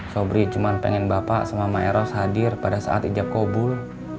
sobri cuma pengen bapak sama maeros hadir pada saat ijab kobul